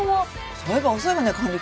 そういえば遅いわね管理官。